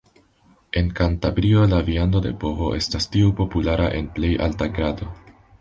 En Kantabrio la viando de bovo estas tiu populara en plej alta grado.